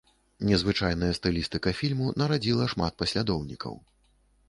Незвычайная стылістыка фільму нарадзіла шмат паслядоўнікаў.